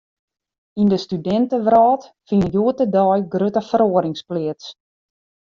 Yn de studintewrâld fine hjoed-de-dei grutte feroarings pleats.